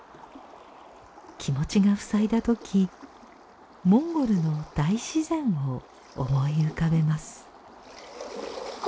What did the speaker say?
気持ちがふさいだときモンゴルの大自然を思い浮かべます。